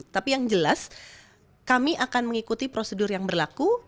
tapi yang jelas kami akan mengikuti prosedur yang berlaku